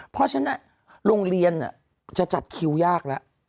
เพราะฉะนั้นโรงเรียนจะจัดคิวยากแล้ว